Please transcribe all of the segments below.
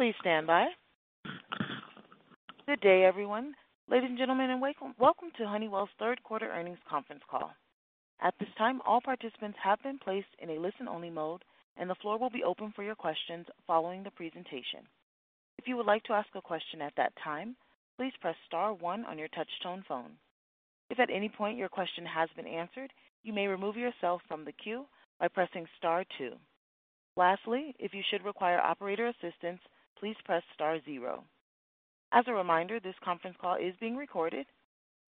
Please stand by. Good day, everyone. Ladies and gentlemen, welcome to Honeywell's third quarter earnings conference call. At this time, all participants have been placed in a listen-only mode, and the floor will be open for your questions following the presentation. If you would like to ask a question at that time, please press star one on your touch-tone phone. If at any point your question has been answered, you may remove yourself from the queue by pressing star two. Lastly, if you should require operator assistance, please press star zero. As a reminder, this conference call is being recorded.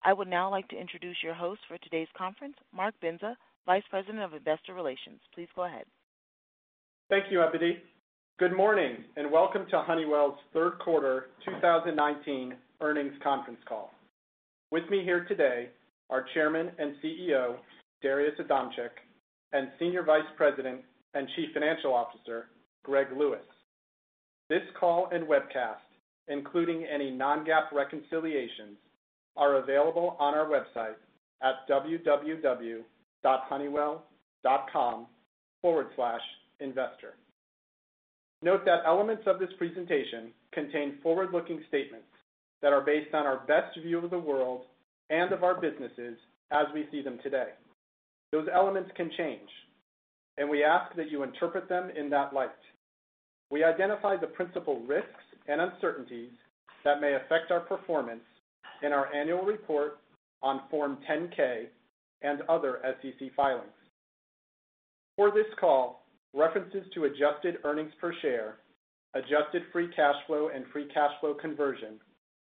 I would now like to introduce your host for today's conference, Mark Bendza, Vice President of Investor Relations. Please go ahead. Thank you, Ebony. Good morning, and welcome to Honeywell's third quarter 2019 earnings conference call. With me here today are Chairman and CEO, Darius Adamczyk, and Senior Vice President and Chief Financial Officer, Greg Lewis. This call and webcast, including any non-GAAP reconciliations, are available on our website at www.honeywell.com/investor. Note that elements of this presentation contain forward-looking statements that are based on our best view of the world and of our businesses as we see them today. Those elements can change. We ask that you interpret them in that light. We identify the principal risks and uncertainties that may affect our performance in our annual report on Form 10-K and other SEC filings. For this call, references to adjusted earnings per share, adjusted free cash flow and free cash flow conversion,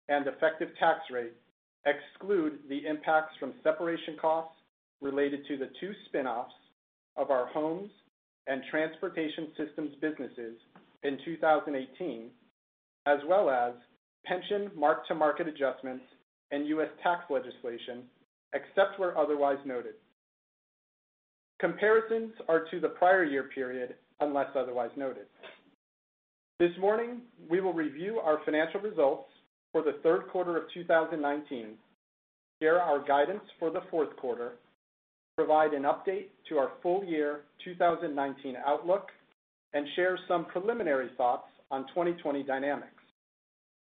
and effective tax rate exclude the impacts from separation costs related to the two spin-offs of our homes and transportation systems businesses in 2018, as well as pension mark-to-market adjustments and U.S. tax legislation, except where otherwise noted. Comparisons are to the prior year period, unless otherwise noted. This morning, we will review our financial results for the third quarter of 2019, share our guidance for the fourth quarter, provide an update to our full year 2019 outlook, and share some preliminary thoughts on 2020 dynamics.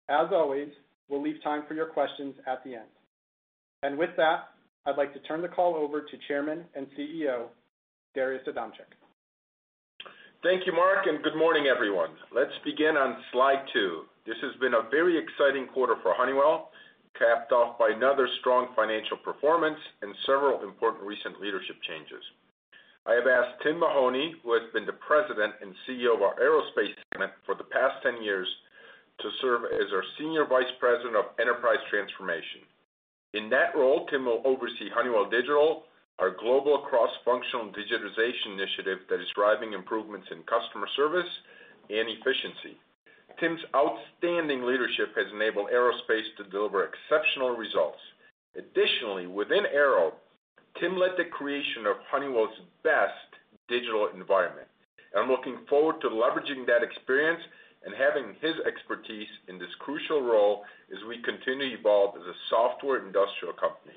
As always, we'll leave time for your questions at the end. With that, I'd like to turn the call over to Chairman and CEO, Darius Adamczyk. Thank you, Mark, and good morning, everyone. Let's begin on slide two. This has been a very exciting quarter for Honeywell, capped off by another strong financial performance and several important recent leadership changes. I have asked Tim Mahoney, who has been the President and CEO of our Aerospace segment for the past 10 years, to serve as our Senior Vice President of Enterprise Transformation. In that role, Tim will oversee Honeywell Digital, our global cross-functional digitization initiative that is driving improvements in customer service and efficiency. Tim's outstanding leadership has enabled Aerospace to deliver exceptional results. Additionally, within aero, Tim led the creation of Honeywell's best digital environment, and I'm looking forward to leveraging that experience and having his expertise in this crucial role as we continue to evolve as a software industrial company.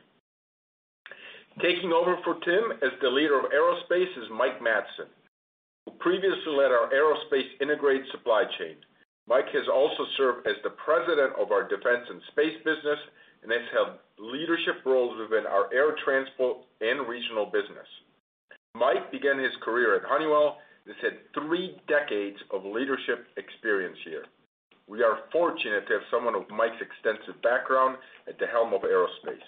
Taking over for Tim as the leader of Aerospace is Mike Madsen, who previously led our Aerospace Integrated Supply Chain. Mike has also served as the President of our defense and space business and has held leadership roles within our air transport and regional business. Mike began his career at Honeywell and has had three decades of leadership experience here. We are fortunate to have someone of Mike's extensive background at the helm of Aerospace.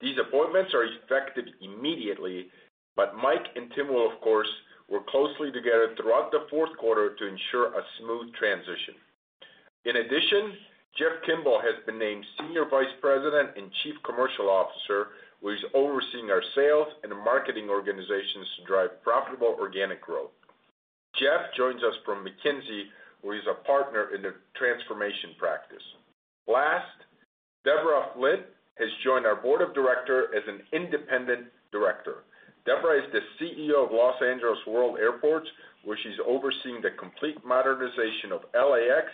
These appointments are effective immediately, but Mike and Tim will, of course, work closely together throughout the fourth quarter to ensure a smooth transition. In addition, Jeff Kimbell has been named Senior Vice President and Chief Commercial Officer, where he's overseeing our sales and marketing organizations to drive profitable organic growth. Jeff joins us from McKinsey, where he's a partner in the transformation practice. Last, Deborah Flint has joined our board of directors as an independent director. Deborah is the CEO of Los Angeles World Airports, where she's overseeing the complete modernization of L.A.X.,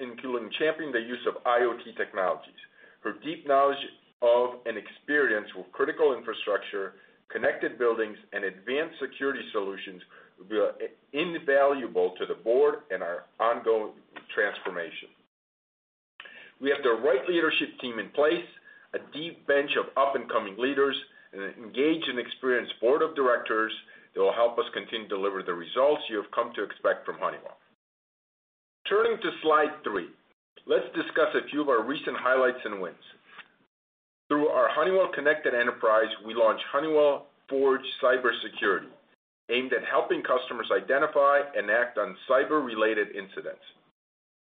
including championing the use of IoT technologies. Her deep knowledge of and experience with critical infrastructure, connected buildings, and advanced security solutions will be invaluable to the board and our ongoing transformation. We have the right leadership team in place, a deep bench of up-and-coming leaders, and an engaged and experienced board of directors that will help us continue to deliver the results you have come to expect from Honeywell. Turning to slide three, let's discuss a few of our recent highlights and wins. Through our Honeywell Connected Enterprise, we launched Honeywell Forge Cybersecurity, aimed at helping customers identify and act on cyber-related incidents.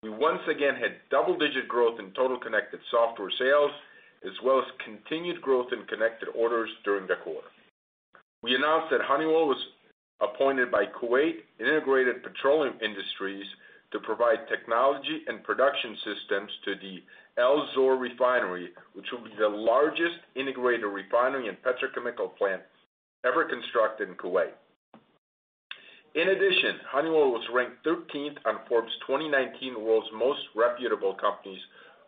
We once again had double-digit growth in total connected software sales, as well as continued growth in connected orders during the quarter. We announced that Honeywell was appointed by Kuwait Integrated Petroleum Industries to provide technology and production systems to the Al-Zour refinery, which will be the largest integrated refinery and petrochemical plant ever constructed in Kuwait. In addition, Honeywell was ranked 13th on Forbes 2019 World's Most Reputable Companies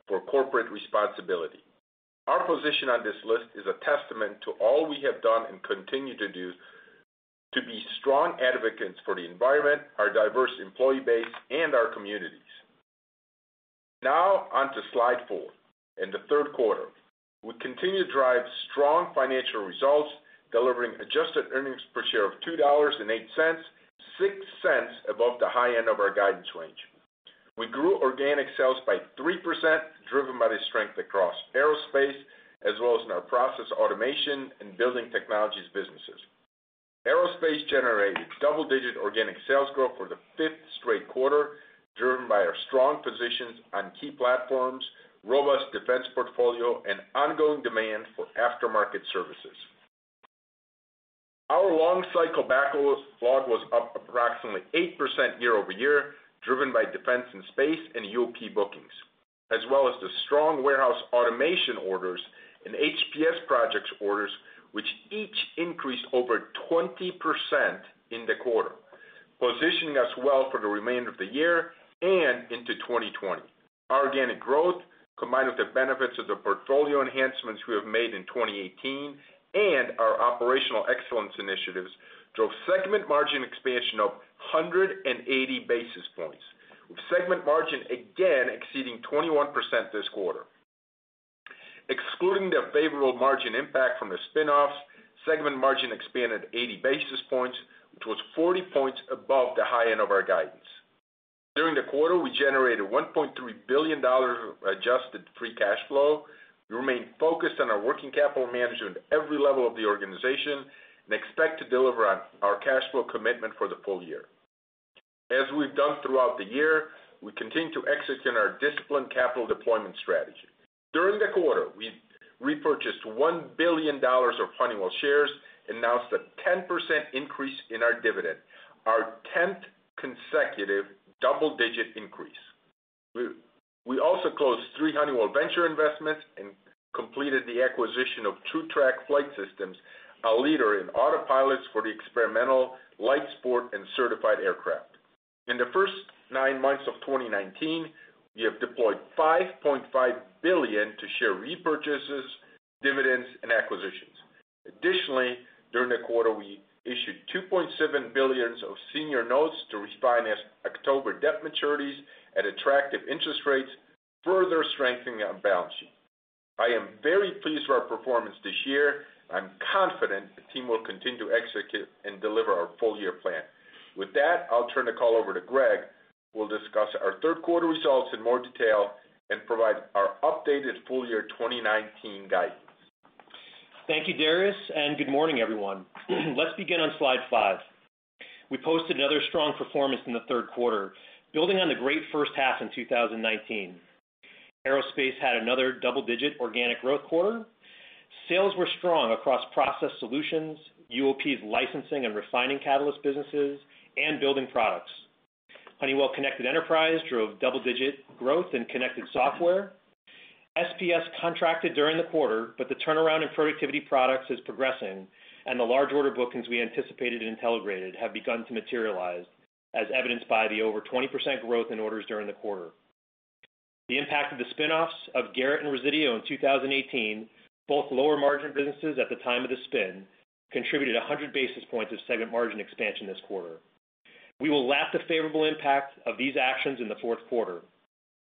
for Corporate Responsibility. Our position on this list is a testament to all we have done and continue to do to be strong advocates for the environment, our diverse employee base, and our communities. On to slide four. In the third quarter, we continued to drive strong financial results, delivering adjusted earnings per share of $2.08, $0.06 above the high end of our guidance range. We grew organic sales by 3%, driven by the strength across Aerospace, as well as in our process automation and Building Technologies businesses. Aerospace generated double-digit organic sales growth for the fifth straight quarter, driven by our strong positions on key platforms, robust defense portfolio, and ongoing demand for aftermarket services. Our long-cycle backlog was up approximately 8% year-over-year, driven by defense and space and UOP bookings, as well as the strong warehouse automation orders and HPS projects orders, which each increased over 20% in the quarter, positioning us well for the remainder of the year and into 2020. Our organic growth, combined with the benefits of the portfolio enhancements we have made in 2018 and our operational excellence initiatives, drove segment margin expansion of 180 basis points, with segment margin again exceeding 21% this quarter. Excluding the favorable margin impact from the spin-offs, segment margin expanded 80 basis points, which was 40 points above the high end of our guidance. During the quarter, we generated $1.3 billion of adjusted free cash flow. We remain focused on our working capital management at every level of the organization and expect to deliver on our cash flow commitment for the full year. As we've done throughout the year, we continue to execute on our disciplined capital deployment strategy. During the quarter, we repurchased $1 billion of Honeywell shares, announced a 10% increase in our dividend, our 10th consecutive double-digit increase. We also closed three Honeywell Ventures investments and completed the acquisition of TruTrak Flight Systems, a leader in autopilots for the experimental light sport and certified aircraft. In the first nine months of 2019, we have deployed $5.5 billion to share repurchases, dividends, and acquisitions. Additionally, during the quarter, we issued $2.7 billion of senior notes to refinance October debt maturities at attractive interest rates, further strengthening our balance sheet. I am very pleased with our performance this year. I'm confident the team will continue to execute and deliver our full-year plan. With that, I'll turn the call over to Greg, who will discuss our third quarter results in more detail and provide our updated full-year 2019 guidance. Thank you, Darius, and good morning, everyone. Let's begin on slide five. We posted another strong performance in the third quarter, building on the great first half in 2019. Aerospace had another double-digit organic growth quarter. Sales were strong across Process Solutions, UOP's licensing and refining catalyst businesses, and building products. Honeywell Connected Enterprise drove double-digit growth in connected software. SPS contracted during the quarter, but the turnaround in Productivity Products is progressing, and the large order bookings we anticipated in Intelligrated have begun to materialize, as evidenced by the over 20% growth in orders during the quarter. The impact of the spin-offs of Garrett and Resideo in 2018, both lower-margin businesses at the time of the spin, contributed 100 basis points of segment margin expansion this quarter. We will lap the favorable impact of these actions in the fourth quarter.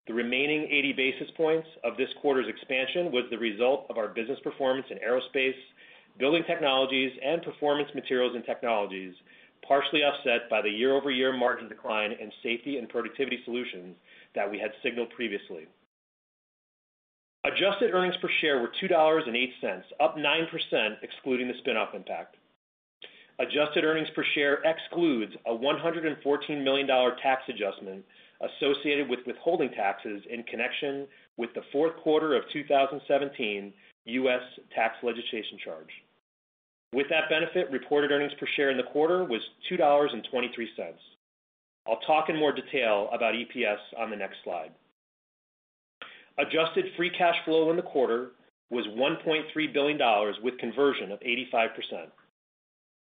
The remaining 80 basis points of this quarter's expansion was the result of our business performance in Aerospace, Building Technologies, and Performance Materials and Technologies, partially offset by the year-over-year margin decline in Safety and Productivity Solutions that we had signaled previously. Adjusted earnings per share were $2.08, up 9%, excluding the spin-off impact. Adjusted earnings per share excludes a $114 million tax adjustment associated with withholding taxes in connection with the fourth quarter of 2017 U.S. tax legislation charge. With that benefit, reported earnings per share in the quarter was $2.23. I'll talk in more detail about EPS on the next slide. Adjusted free cash flow in the quarter was $1.3 billion, with conversion of 85%.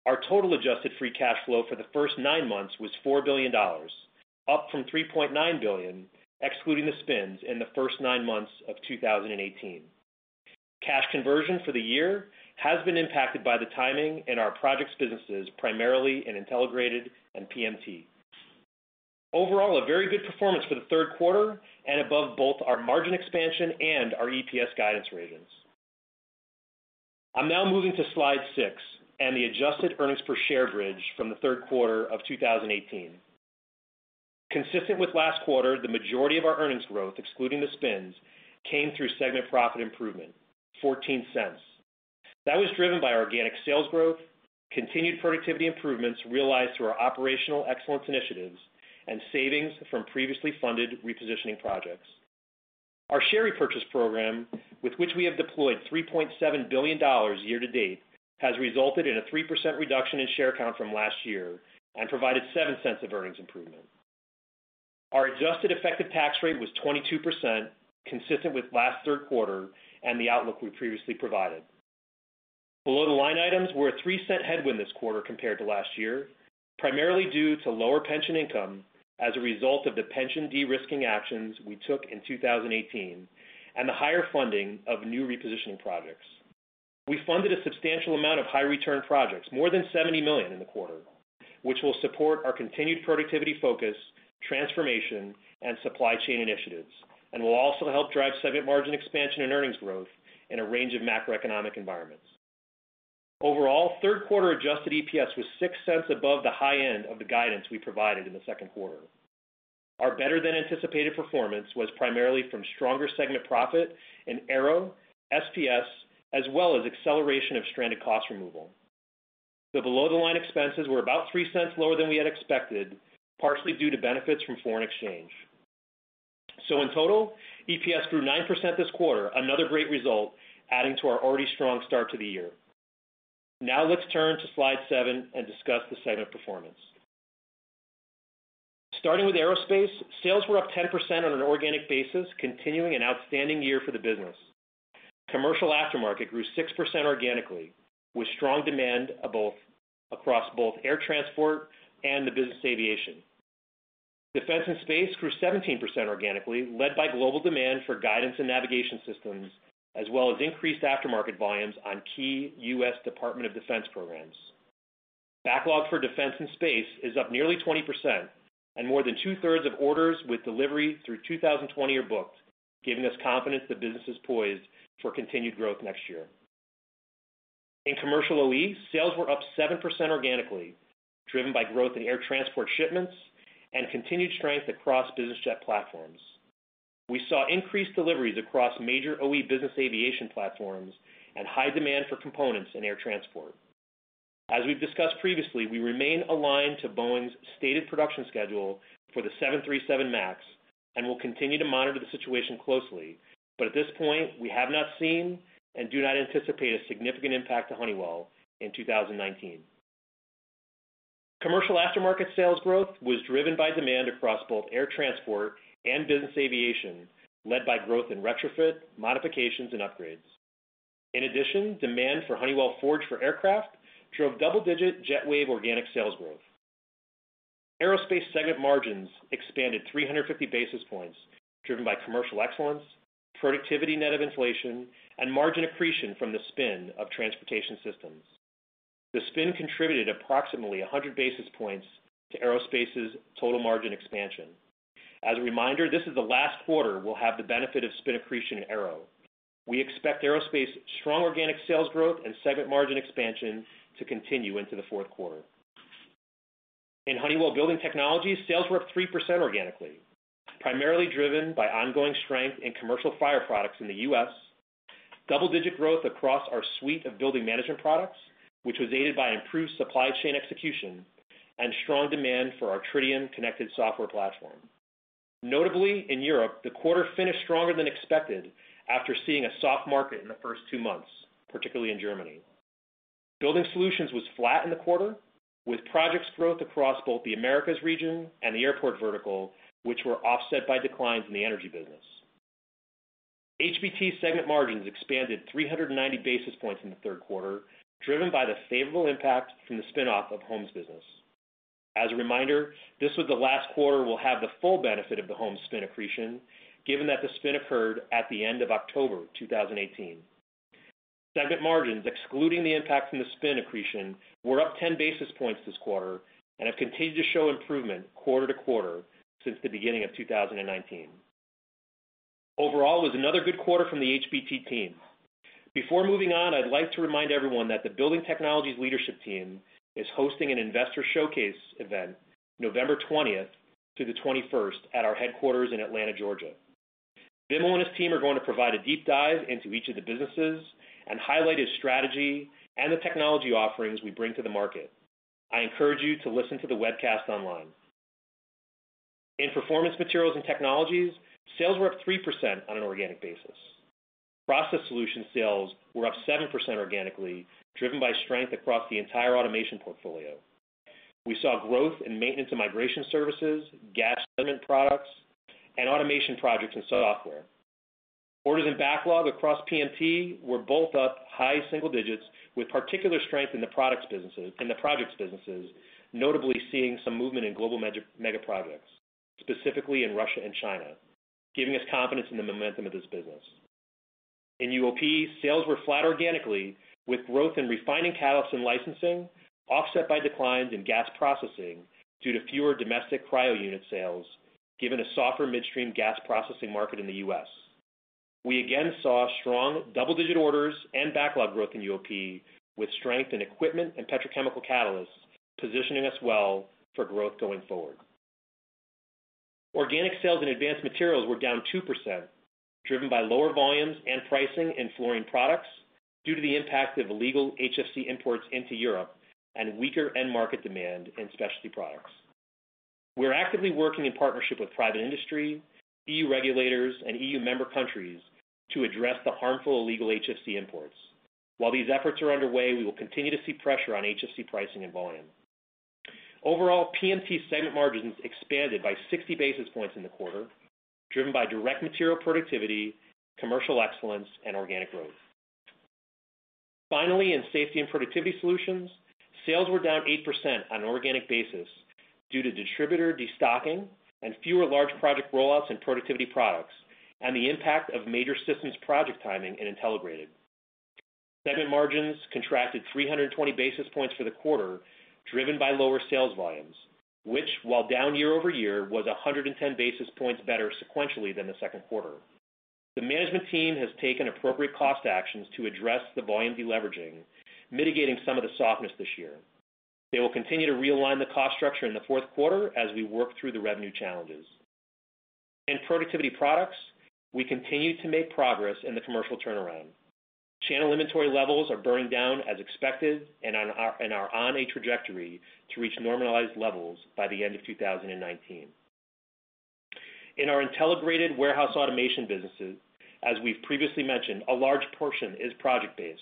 Our total adjusted free cash flow for the first nine months was $4 billion, up from $3.9 billion, excluding the spins in the first nine months of 2018. Cash conversion for the year has been impacted by the timing in our projects businesses, primarily in Intelligrated and PMT. Overall, a very good performance for the third quarter and above both our margin expansion and our EPS guidance ranges. I'm now moving to slide six and the adjusted earnings per share bridge from the third quarter of 2018. Consistent with last quarter, the majority of our earnings growth, excluding the spins, came through segment profit improvement, $0.14. That was driven by organic sales growth, continued productivity improvements realized through our operational excellence initiatives, and savings from previously funded repositioning projects. Our share repurchase program, with which we have deployed $3.7 billion year to date, has resulted in a 3% reduction in share count from last year and provided $0.07 of earnings improvement. Our adjusted effective tax rate was 22%, consistent with last third quarter and the outlook we previously provided. Below-the-line items were a $0.03 headwind this quarter compared to last year, primarily due to lower pension income as a result of the pension de-risking actions we took in 2018 and the higher funding of new repositioning projects. We funded a substantial amount of high return projects, more than $70 million in the quarter, which will support our continued productivity focus, transformation, and supply chain initiatives, and will also help drive segment margin expansion and earnings growth in a range of macroeconomic environments. Overall, third quarter adjusted EPS was $0.06 above the high end of the guidance we provided in the second quarter. Our better than anticipated performance was primarily from stronger segment profit in Aero, SPS, as well as acceleration of stranded cost removal. The below-the-line expenses were about $0.03 lower than we had expected, partially due to benefits from foreign exchange. In total, EPS grew 9% this quarter, another great result adding to our already strong start to the year. Let's turn to slide seven and discuss the segment performance. Starting with Aerospace, sales were up 10% on an organic basis, continuing an outstanding year for the business. Commercial aftermarket grew 6% organically, with strong demand across both air transport and business aviation. Defense and space grew 17% organically, led by global demand for guidance and navigation systems, as well as increased aftermarket volumes on key U.S. Department of Defense programs. Backlog for defense and space is up nearly 20%, and more than two-thirds of orders with delivery through 2020 are booked, giving us confidence the business is poised for continued growth next year. In commercial OE, sales were up 7% organically, driven by growth in air transport shipments and continued strength across business jet platforms. We saw increased deliveries across major OE business aviation platforms and high demand for components in air transport. As we've discussed previously, we remain aligned to Boeing's stated production schedule for the 737 MAX and will continue to monitor the situation closely. At this point, we have not seen and do not anticipate a significant impact to Honeywell in 2019. Commercial aftermarket sales growth was driven by demand across both air transport and business aviation, led by growth in retrofit, modifications, and upgrades. In addition, demand for Honeywell Forge for aircraft drove double-digit JetWave organic sales growth. Aerospace segment margins expanded 350 basis points, driven by commercial excellence, productivity net of inflation, and margin accretion from the spin of transportation systems. The spin contributed approximately 100 basis points to Aerospace's total margin expansion. As a reminder, this is the last quarter we'll have the benefit of spin accretion in Aero. We expect Aerospace strong organic sales growth and segment margin expansion to continue into the fourth quarter. In Honeywell Building Technologies, sales were up 3% organically, primarily driven by ongoing strength in commercial fire products in the U.S., double-digit growth across our suite of building management products, which was aided by improved supply chain execution, and strong demand for our Tridium connected software platform. Notably, in Europe, the quarter finished stronger than expected after seeing a soft market in the first two months, particularly in Germany. Building Solutions was flat in the quarter, with projects growth across both the Americas region and the airport vertical, which were offset by declines in the energy business. HBT segment margins expanded 390 basis points in the third quarter, driven by the favorable impact from the spin-off of Homes business. As a reminder, this was the last quarter we'll have the full benefit of the Homes spin accretion, given that the spin occurred at the end of October 2018. Segment margins, excluding the impact from the spin accretion, were up 10 basis points this quarter and have continued to show improvement quarter to quarter since the beginning of 2019. Overall, it was another good quarter from the HBT team. Before moving on, I'd like to remind everyone that the Building Technologies Leadership Team is hosting an Investor Showcase Event November 20th to the 21st at our headquarters in Atlanta, Georgia. Vimal and his team are going to provide a deep dive into each of the businesses and highlight his strategy and the technology offerings we bring to the market. I encourage you to listen to the webcast online. In Performance Materials and Technologies, sales were up 3% on an organic basis. Process Solutions sales were up 7% organically, driven by strength across the entire automation portfolio. We saw growth in maintenance and migration services, gas segment products, and automation projects and software. Orders and backlog across PMT were both up high single digits with particular strength in the projects businesses, notably seeing some movement in global mega projects, specifically in Russia and China, giving us confidence in the momentum of this business. In Honeywell UOP, sales were flat organically with growth in refining catalysts and licensing offset by declines in gas processing due to fewer domestic cryo unit sales, given a softer midstream gas processing market in the U.S. We again saw strong double-digit orders and backlog growth in Honeywell UOP with strength in equipment and petrochemical catalysts positioning us well for growth going forward. Organic sales in advanced materials were down 2%, driven by lower volumes and pricing in fluorine products due to the impact of illegal HFC imports into Europe and weaker end market demand in specialty products. We are actively working in partnership with private industry, EU regulators, and EU member countries to address the harmful illegal HFC imports. While these efforts are underway, we will continue to see pressure on HFC pricing and volume. Overall, PMT segment margins expanded by 60 basis points in the quarter, driven by direct material productivity, commercial excellence, and organic growth. Finally, in Safety and Productivity Solutions, sales were down 8% on an organic basis due to distributor de-stocking and fewer large project rollouts in Productivity Products, and the impact of major systems project timing in Intelligrated. Segment margins contracted 320 basis points for the quarter, driven by lower sales volumes, which while down year-over-year, was 110 basis points better sequentially than the second quarter. The management team has taken appropriate cost actions to address the volume de-leveraging, mitigating some of the softness this year. They will continue to realign the cost structure in the fourth quarter as we work through the revenue challenges. In Productivity Products, we continue to make progress in the commercial turnaround. Channel inventory levels are burning down as expected and are on a trajectory to reach normalized levels by the end of 2019. In our Intelligrated warehouse automation businesses, as we've previously mentioned, a large portion is project-based,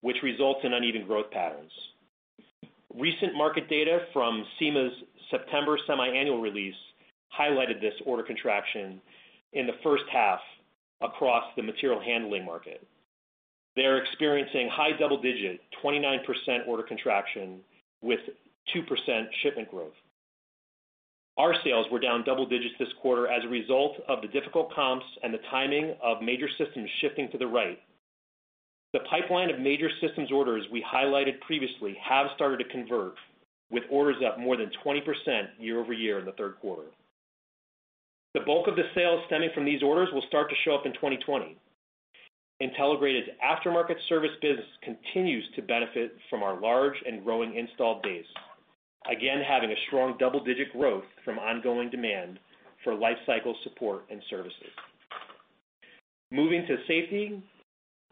which results in uneven growth patterns. Recent market data from SEMA's September semiannual release highlighted this order contraction in the first half across the material handling market. They're experiencing high double-digit, 29% order contraction with 2% shipment growth. Our sales were down double digits this quarter as a result of the difficult comps and the timing of major systems shifting to the right. The pipeline of major systems orders we highlighted previously have started to convert, with orders up more than 20% year-over-year in the third quarter. The bulk of the sales stemming from these orders will start to show up in 2020. Intelligrated's aftermarket service business continues to benefit from our large and growing installed base. Again, having a strong double-digit growth from ongoing demand for life cycle support and services. Moving to safety,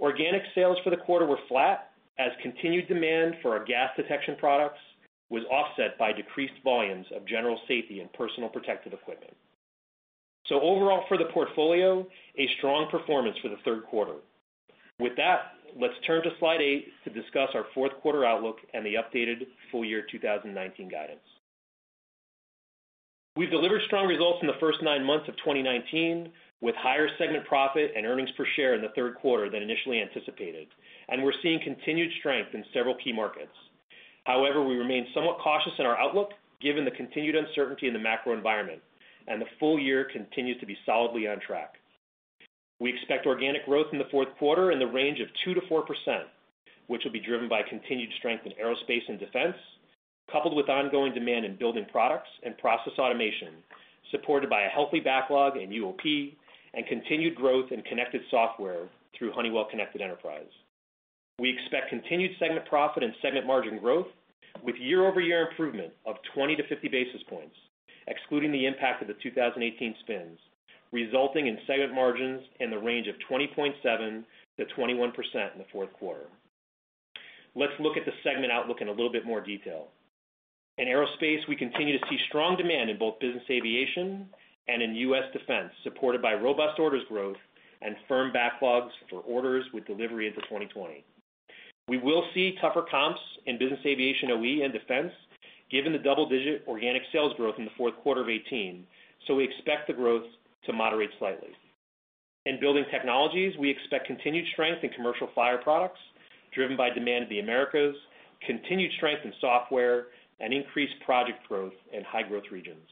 organic sales for the quarter were flat as continued demand for our gas detection products was offset by decreased volumes of general safety and personal protective equipment. Overall for the portfolio, a strong performance for the third quarter. With that, let's turn to slide eight to discuss our fourth quarter outlook and the updated full year 2019 guidance. We've delivered strong results in the first nine months of 2019, with higher segment profit and earnings per share in the third quarter than initially anticipated, and we're seeing continued strength in several key markets. We remain somewhat cautious in our outlook given the continued uncertainty in the macro environment and the full year continues to be solidly on track. We expect organic growth in the fourth quarter in the range of 2%-4%, which will be driven by continued strength in aerospace and defense, coupled with ongoing demand in building products and process automation, supported by a healthy backlog in UOP and continued growth in connected software through Honeywell Connected Enterprise. We expect continued segment profit and segment margin growth with year-over-year improvement of 20 to 50 basis points, excluding the impact of the 2018 spins, resulting in segment margins in the range of 20.7%-21% in the fourth quarter. Let's look at the segment outlook in a little bit more detail. In aerospace, we continue to see strong demand in both business aviation and in U.S. defense, supported by robust orders growth and firm backlogs for orders with delivery into 2020. We will see tougher comps in business aviation OE and defense given the double-digit organic sales growth in the fourth quarter of 2018, so we expect the growth to moderate slightly. In Building Technologies, we expect continued strength in commercial fire products, driven by demand in the Americas, continued strength in software, and increased project growth in high-growth regions.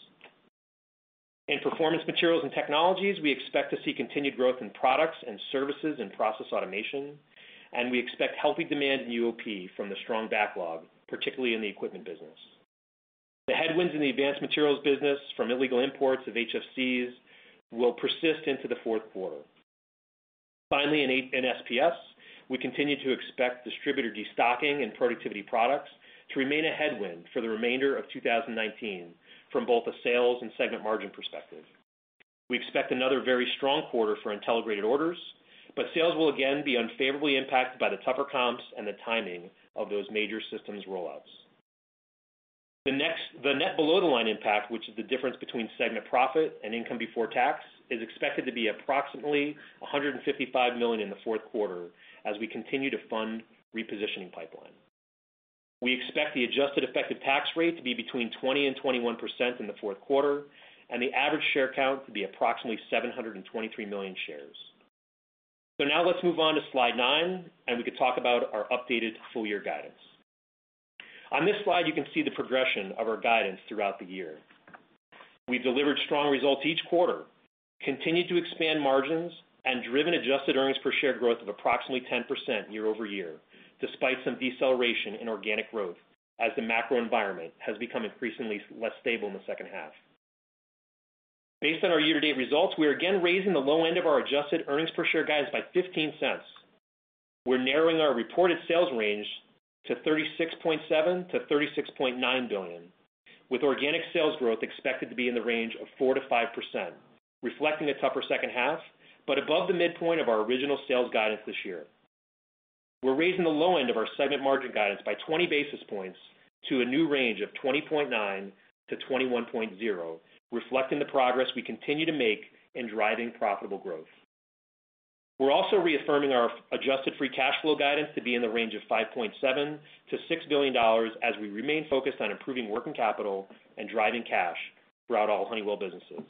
In Performance Materials and Technologies, we expect to see continued growth in products and services in process automation, and we expect healthy demand in UOP from the strong backlog, particularly in the equipment business. The headwinds in the advanced materials business from illegal imports of HFCs will persist into the fourth quarter. In SPS, we continue to expect distributor de-stocking in Productivity Products to remain a headwind for the remainder of 2019 from both a sales and segment margin perspective. We expect another very strong quarter for Intelligrated orders, but sales will again be unfavorably impacted by the tougher comps and the timing of those major systems rollouts. The net below the line impact, which is the difference between segment profit and income before tax, is expected to be approximately $155 million in the fourth quarter as we continue to fund repositioning pipeline. We expect the adjusted effective tax rate to be between 20% and 21% in the fourth quarter, and the average share count to be approximately 723 million shares. Now let's move on to slide nine, and we can talk about our updated full year guidance. On this slide, you can see the progression of our guidance throughout the year. We've delivered strong results each quarter, continued to expand margins, and driven adjusted earnings per share growth of approximately 10% year-over-year, despite some deceleration in organic growth as the macro environment has become increasingly less stable in the second half. Based on our year-to-date results, we are again raising the low end of our adjusted earnings per share guidance by $0.15. We're narrowing our reported sales range to $36.7 billion-$36.9 billion, with organic sales growth expected to be in the range of 4%-5%, reflecting a tougher second half, but above the midpoint of our original sales guidance this year. We're raising the low end of our segment margin guidance by 20 basis points to a new range of 20.9%-21.0%, reflecting the progress we continue to make in driving profitable growth. We're also reaffirming our adjusted free cash flow guidance to be in the range of $5.7 billion-$6 billion as we remain focused on improving working capital and driving cash throughout all Honeywell businesses.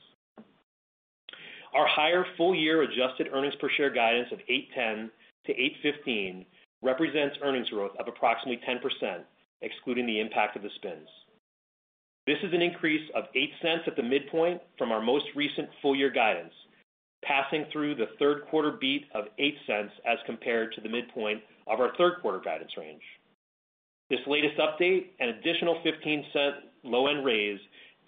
Our higher full-year adjusted earnings per share guidance of $8.10-$8.15 represents earnings growth of approximately 10%, excluding the impact of the spins. This is an increase of $0.08 at the midpoint from our most recent full year guidance, passing through the third quarter beat of $0.08 as compared to the midpoint of our third quarter guidance range. This latest update, an additional $0.15 low end raise,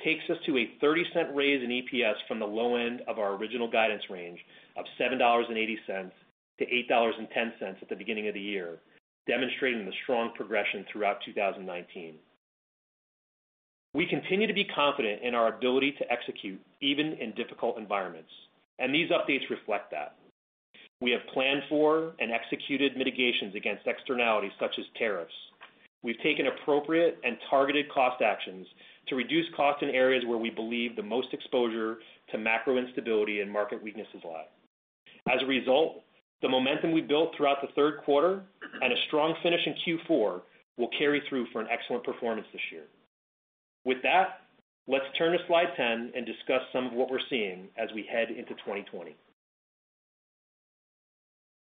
takes us to a $0.30 raise in EPS from the low end of our original guidance range of $7.80-$8.10 at the beginning of the year, demonstrating the strong progression throughout 2019. We continue to be confident in our ability to execute even in difficult environments, these updates reflect that. We have planned for and executed mitigations against externalities such as tariffs. We've taken appropriate and targeted cost actions to reduce costs in areas where we believe the most exposure to macro instability and market weaknesses lie. As a result, the momentum we built throughout the third quarter and a strong finish in Q4 will carry through for an excellent performance this year. With that, let's turn to slide 10 and discuss some of what we're seeing as we head into 2020.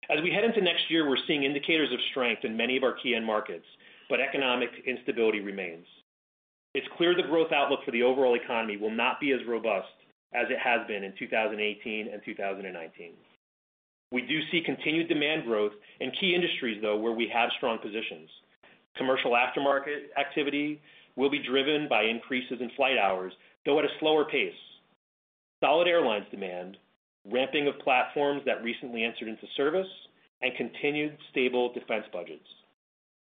As we head into next year, we're seeing indicators of strength in many of our key end markets, but economic instability remains. It's clear the growth outlook for the overall economy will not be as robust as it has been in 2018 and 2019. We do see continued demand growth in key industries, though, where we have strong positions. Commercial aftermarket activity will be driven by increases in flight hours, though at a slower pace. Solid airlines demand, ramping of platforms that recently entered into service, and continued stable defense budgets.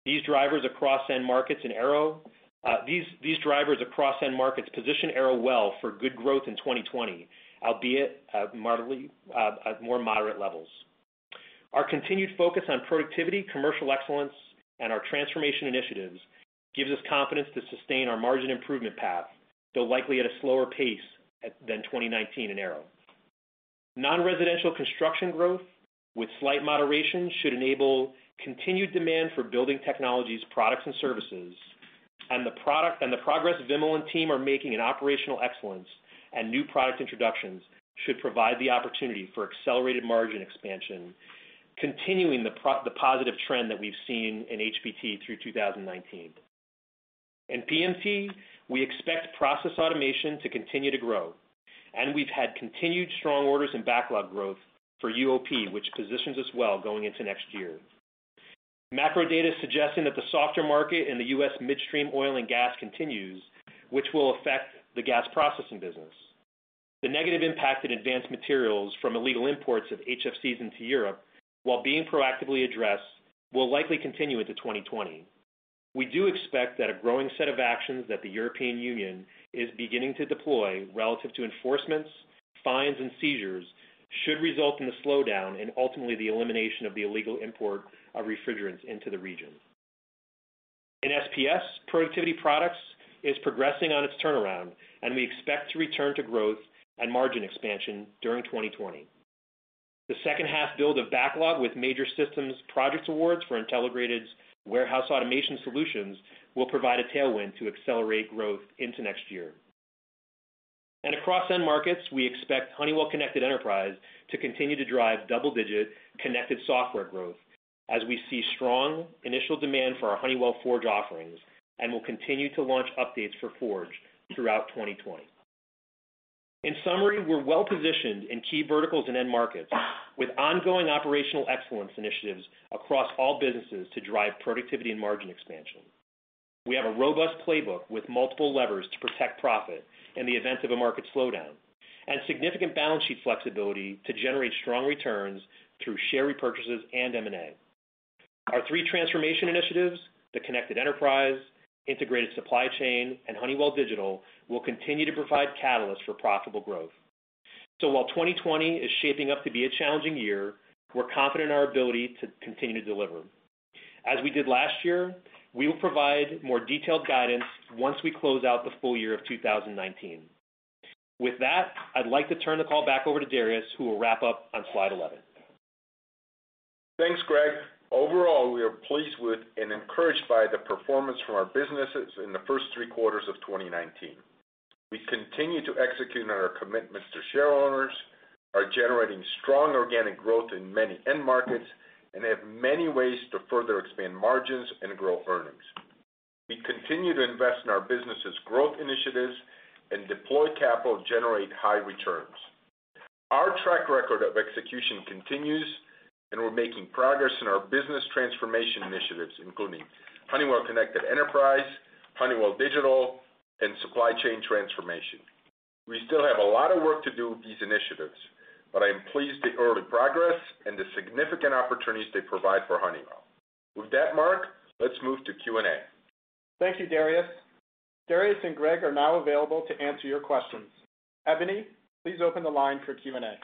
These drivers across end markets position Aero well for good growth in 2020, albeit at more moderate levels. Our continued focus on productivity, commercial excellence, and our transformation initiatives gives us confidence to sustain our margin improvement path, though likely at a slower pace than 2019 in Aero. Non-residential construction growth with slight moderation should enable continued demand for building technologies, products, and services. The progress Vimal and team are making in operational excellence and new product introductions should provide the opportunity for accelerated margin expansion, continuing the positive trend that we've seen in HBT through 2019. In PMT, we expect process automation to continue to grow. We've had continued strong orders and backlog growth for UOP, which positions us well going into next year. Macro data suggesting that the softer market in the U.S. midstream oil and gas continues, which will affect the gas processing business. The negative impact in Advanced Materials from illegal imports of HFCs into Europe, while being proactively addressed, will likely continue into 2020. We do expect that a growing set of actions that the European Union is beginning to deploy relative to enforcements, fines, and seizures should result in the slowdown and ultimately the elimination of the illegal import of refrigerants into the region. In SPS, Productivity Products is progressing on its turnaround, and we expect to return to growth and margin expansion during 2020. The second half build of backlog with major systems projects awards for Intelligrated's warehouse automation solutions will provide a tailwind to accelerate growth into next year. Across end markets, we expect Honeywell Connected Enterprise to continue to drive double-digit connected software growth as we see strong initial demand for our Honeywell Forge offerings and will continue to launch updates for Forge throughout 2020. In summary, we're well-positioned in key verticals and end markets with ongoing operational excellence initiatives across all businesses to drive productivity and margin expansion. We have a robust playbook with multiple levers to protect profit in the event of a market slowdown and significant balance sheet flexibility to generate strong returns through share repurchases and M&A. Our three transformation initiatives, the Connected Enterprise, Integrated Supply Chain, and Honeywell Digital, will continue to provide catalysts for profitable growth. While 2020 is shaping up to be a challenging year, we're confident in our ability to continue to deliver. As we did last year, we will provide more detailed guidance once we close out the full year of 2019. With that, I'd like to turn the call back over to Darius, who will wrap up on slide 11. Thanks, Greg. Overall, we are pleased with and encouraged by the performance from our businesses in the first three quarters of 2019. We continue to execute on our commitments to shareholders, are generating strong organic growth in many end markets, and have many ways to further expand margins and grow earnings. We continue to invest in our businesses' growth initiatives and deploy capital to generate high returns. Our track record of execution continues, and we're making progress in our business transformation initiatives, including Honeywell Connected Enterprise, Honeywell Digital, and Supply Chain Transformation. We still have a lot of work to do with these initiatives, but I am pleased with the early progress and the significant opportunities they provide for Honeywell. With that, Mark, let's move to Q&A. Thank you, Darius. Darius and Greg are now available to answer your questions. Ebony, please open the line for Q&A.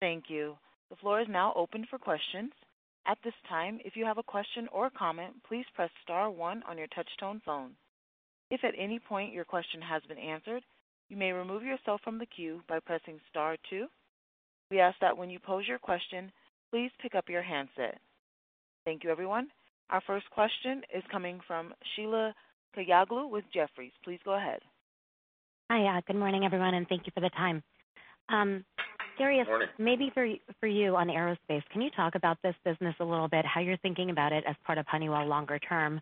Thank you. The floor is now open for questions. At this time, if you have a question or comment, please press star one on your touchtone phone. If at any point your question has been answered, you may remove yourself from the queue by pressing star two. We ask that when you pose your question, please pick up your handset. Thank you, everyone. Our first question is coming from Sheila Kahyaoglu with Jefferies. Please go ahead. Hi. Good morning, everyone, and thank you for the time. Good morning. Darius, maybe for you on aerospace, can you talk about this business a little bit, how you're thinking about it as part of Honeywell longer term?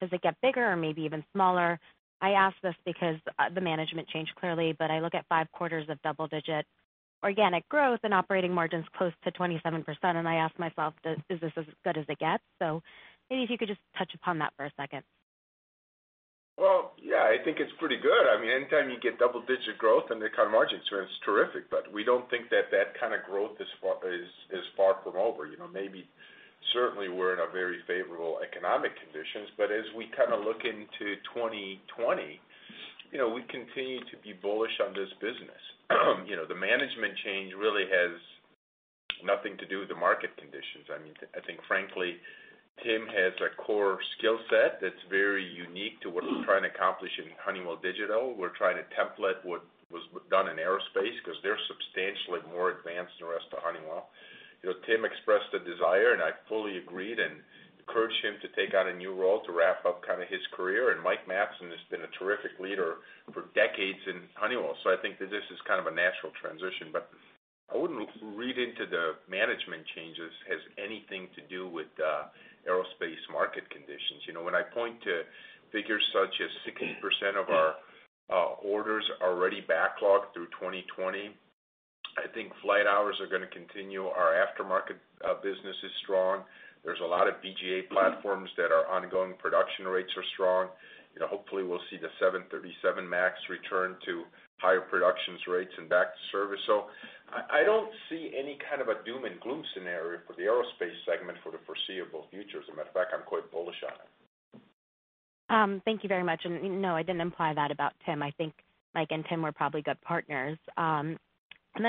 Does it get bigger or maybe even smaller? I ask this because the management changed, clearly, but I look at five quarters of double-digit organic growth and operating margins close to 27%, and I ask myself, does business as good as it gets? Maybe if you could just touch upon that for a second. Well, yeah, I think it's pretty good. Anytime you get double-digit growth and the kind of margins, it's terrific. We don't think that that kind of growth is far from over. Maybe certainly we're in a very favorable economic conditions, but as we look into 2020, we continue to be bullish on this business. The management change really has nothing to do with the market conditions. I think frankly, Tim has a core skill set that's very unique to what we're trying to accomplish in Honeywell Digital. We're trying to template what was done in Aerospace because they're substantially more advanced than the rest of Honeywell. Tim expressed the desire, and I fully agreed and encouraged him to take on a new role to wrap up his career, and Mike Madsen has been a terrific leader for decades in Honeywell. I think that this is kind of a natural transition, but I wouldn't read into the management changes has anything to do with aerospace market conditions. When I point to figures such as 60% of our orders already backlogged through 2020, I think flight hours are going to continue. Our aftermarket business is strong. There's a lot of BizAv platforms that our ongoing productions rates are strong. Hopefully, we'll see the 737 MAX return to higher productions rates and back to service. I don't see any kind of a doom and gloom scenario for the aerospace segment for the foreseeable future. As a matter of fact, I'm quite bullish on it. Thank you very much. No, I didn't imply that about Tim. I think Mike and Tim were probably good partners.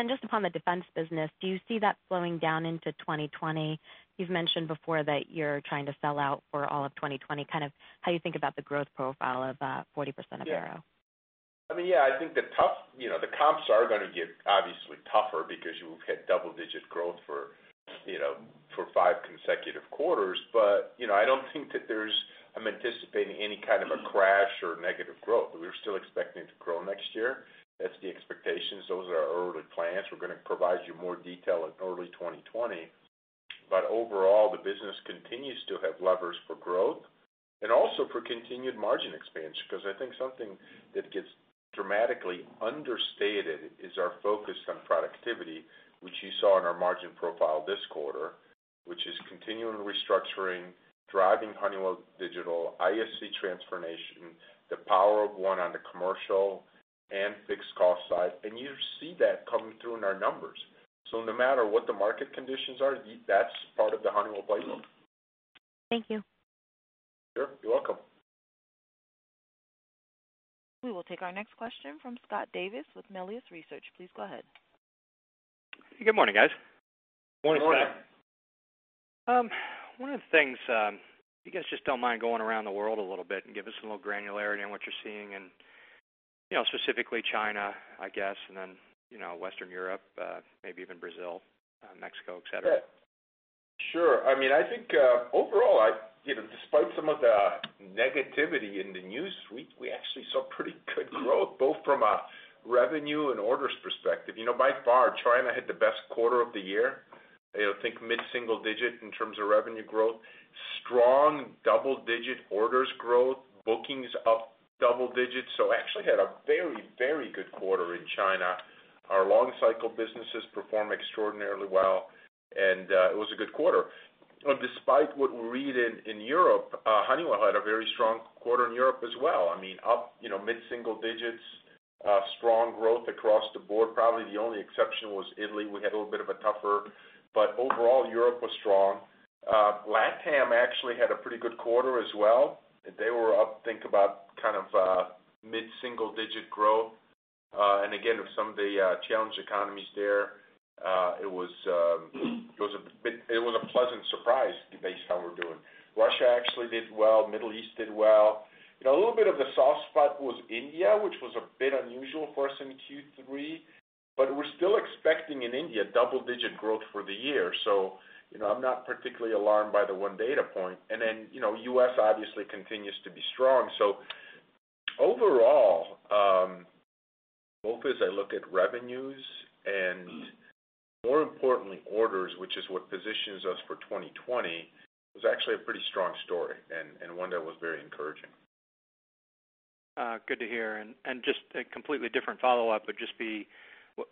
Just upon the defense business, do you see that slowing down into 2020? You've mentioned before that you're trying to sell out for all of 2020, kind of how you think about the growth profile of 40% of aero. Yeah. I think the comps are going to get obviously tougher because you've had double-digit growth for five consecutive quarters. I don't think that I'm anticipating any kind of a crash or negative growth. We're still expecting to grow next year. That's the expectations. Those are our early plans. We're going to provide you more detail in early 2020. Overall, the business continues to have levers for growth and also for continued margin expansion because I think something that gets dramatically understated is our focus on productivity, which you saw in our margin profile this quarter, which is continuing restructuring, driving Honeywell Digital, ISC transformation, the Power of One on the commercial and fixed cost side, and you see that coming through in our numbers. No matter what the market conditions are, that's part of the Honeywell playbook. Thank you. Sure. You're welcome. We will take our next question from Scott Davis with Melius Research. Please go ahead. Good morning, guys. Morning, Scott. Morning. One of the things, if you guys just don't mind going around the world a little bit and give us a little granularity on what you're seeing in specifically China, I guess, and then Western Europe, maybe even Brazil, Mexico, et cetera. Yeah. Sure. I think overall, despite some of the negativity in the news, we actually saw pretty good growth, both from a revenue and orders perspective. By far, China had the best quarter of the year, I think mid-single digit in terms of revenue growth. Strong double-digit orders growth, bookings up double digits. Actually had a very good quarter in China. Our long cycle businesses perform extraordinarily well, and it was a good quarter. Despite what we read in Europe, Honeywell had a very strong quarter in Europe as well. Up mid-single digits, strong growth across the board. Probably the only exception was Italy. Overall, Europe was strong. LATAM actually had a pretty good quarter as well. They were up, think about mid-single digit growth. Again, with some of the challenged economies there, it was a pleasant surprise based on how we're doing. Russia actually did well. Middle East did well. A little bit of the soft spot was India, which was a bit unusual for us in Q3, but we're still expecting in India double-digit growth for the year. I'm not particularly alarmed by the one data point. Then, U.S. obviously continues to be strong. Overall, both as I look at revenues and more importantly, orders, which is what positions us for 2020, was actually a pretty strong story and one that was very encouraging. Good to hear. Just a completely different follow-up would just be,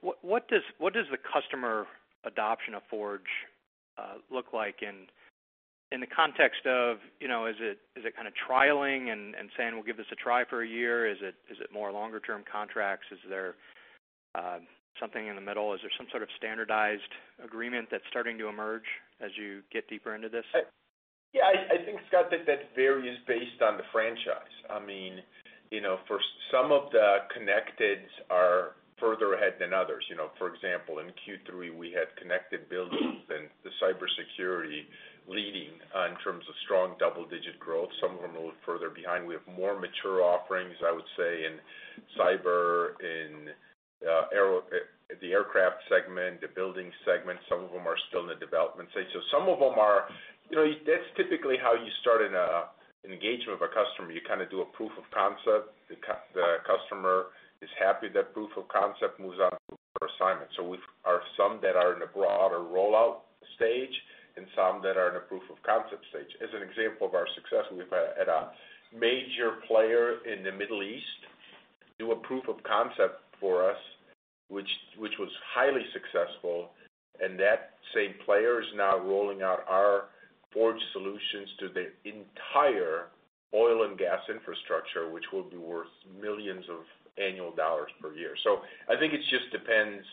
what does the customer adoption of Forge look like in the context of? Is it kind of trialing and saying, "We'll give this a try for a year?" Is it more longer-term contracts? Is there something in the middle? Is there some sort of standardized agreement that's starting to emerge as you get deeper into this? Yeah. I think, Scott, that varies based on the franchise. For some of the connecteds further ahead than others. For example, in Q3, we had connected buildings and cybersecurity leading in terms of strong double-digit growth. Some of them a little further behind. We have more mature offerings, I would say, in cyber, in the aircraft segment, the buildings segment. Some of them are still in the development stage. That's typically how you start an engagement with a customer. You do a proof of concept. The customer is happy with that proof of concept, moves on to a larger assignment. We have some that are in a broader rollout stage, and some that are in a proof of concept stage. As an example of our success, we've had a major player in the Middle East do a proof of concept for us, which was highly successful, and that same player is now rolling out our Forge solutions to the entire oil and gas infrastructure, which will be worth millions of annual dollars per year. I think it just depends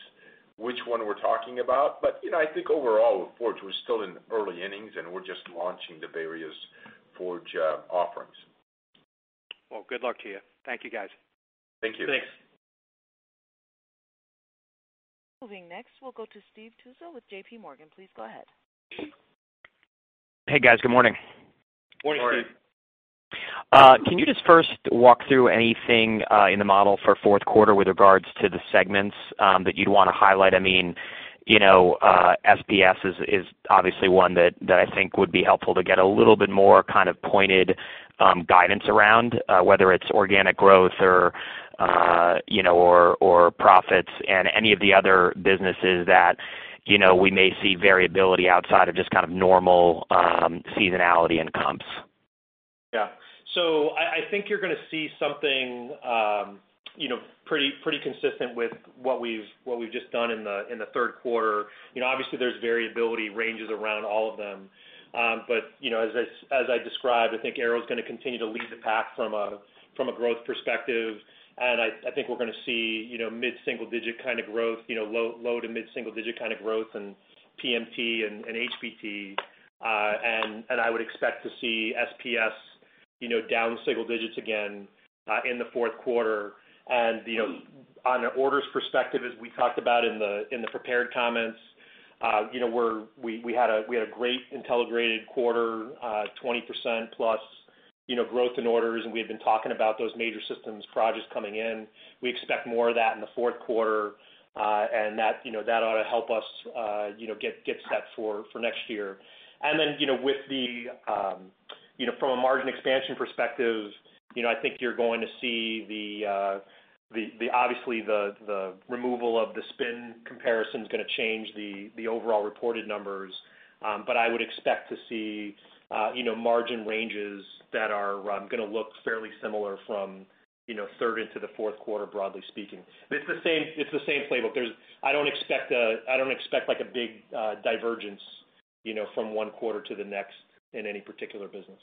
which one we're talking about. I think overall with Forge, we're still in early innings, and we're just launching the various Forge offerings. Well, good luck to you. Thank you, guys. Thank you. Thanks. Moving next, we'll go to Steve Tusa with JPMorgan. Please go ahead. Hey, guys. Good morning. Morning, Steve. Morning. Can you just first walk through anything in the model for fourth quarter with regards to the segments that you'd want to highlight? SPS is obviously one that I think would be helpful to get a little bit more pointed guidance around, whether it's organic growth or profits and any of the other businesses that we may see variability outside of just normal seasonality and comps. I think you're going to see something pretty consistent with what we've just done in the third quarter. Obviously, there's variability ranges around all of them. As I described, I think Aero's going to continue to lead the pack from a growth perspective, and I think we're going to see low to mid-single digit kind of growth in PMT and HBT. I would expect to see SPS down single digits again in the fourth quarter. On an orders perspective, as we talked about in the prepared comments, we had a great Intelligrated quarter, 20% plus growth in orders, and we had been talking about those major systems projects coming in. We expect more of that in the fourth quarter, and that ought to help us get set for next year. Then, from a margin expansion perspective, I think you're going to see, obviously, the removal of the spin comparison's going to change the overall reported numbers. I would expect to see margin ranges that are going to look fairly similar from third into the fourth quarter, broadly speaking. It's the same playbook. I don't expect a big divergence from one quarter to the next in any particular business.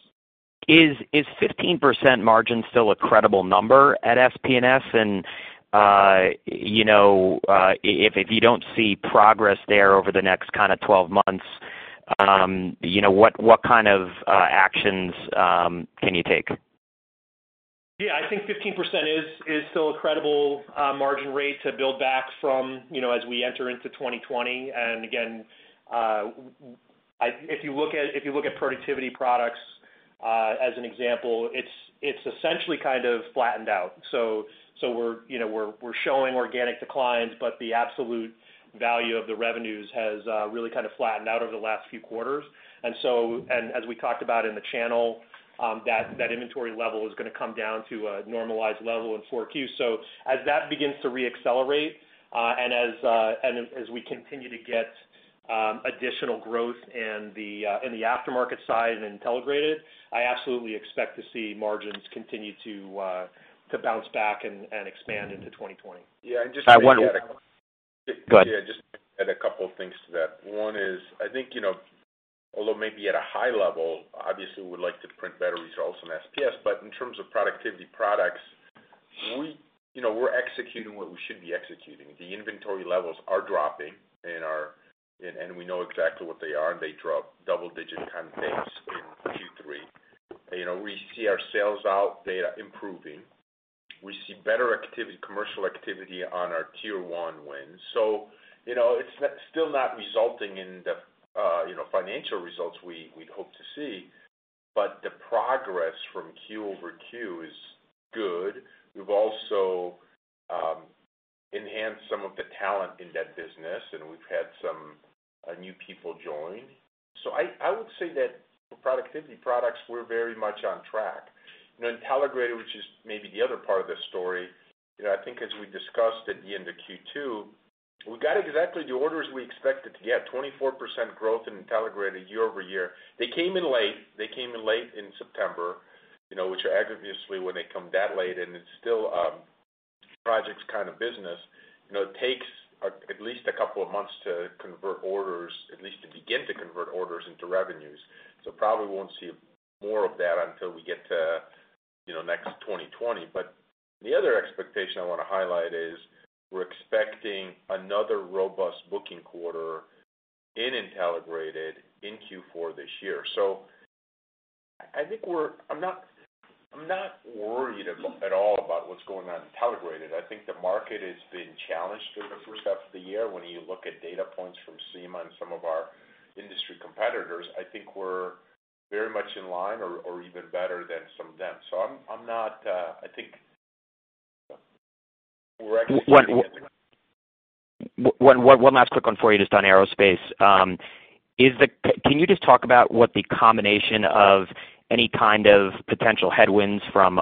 Is 15% margin still a credible number at SPS? If you don't see progress there over the next 12 months, what kind of actions can you take? Yeah, I think 15% is still a credible margin rate to build back from as we enter into 2020. Again, if you look at Productivity Products as an example, it's essentially kind of flattened out. We're showing organic declines, but the absolute value of the revenues has really kind of flattened out over the last few quarters. As we talked about in the channel, that inventory level is going to come down to a normalized level in 4Q. As that begins to re-accelerate, and as we continue to get additional growth in the aftermarket side of Intelligrated, I absolutely expect to see margins continue to bounce back and expand into 2020. Yeah. Go ahead. Yeah, just to add a couple of things to that. One is, I think although maybe at a high level, obviously we would like to print better results in SPS, but in terms of Productivity Products, we're executing what we should be executing. The inventory levels are dropping, and we know exactly what they are, and they dropped double-digit kind of pace in Q3. We see our sales out data improving. We see better commercial activity on our tier 1 wins. It's still not resulting in the financial results we'd hope to see, but the progress from Q over Q is good. We've also enhanced some of the talent in that business, and we've had some new people join. I would say that for Productivity Products, we're very much on track. Intelligrated, which is maybe the other part of the story, I think as we discussed at the end of Q2, we got exactly the orders we expected to get, 24% growth in Intelligrated year-over-year. They came in late in September, which obviously when they come that late, and it's still a projects kind of business, it takes at least a couple of months to convert orders, at least to begin to convert orders into revenues. Probably won't see more of that until we get to next 2020. The other expectation I want to highlight is we're expecting another robust booking quarter in Intelligrated in Q4 this year. I think I'm not worried at all about what's going on in Intelligrated. I think the market has been challenged through the first half of the year. When you look at data points from SEMA and some of our industry competitors, I think we're very much in line or even better than some of them. I think we're executing it. One last quick one for you, just on aerospace. Can you just talk about what the combination of any kind of potential headwinds from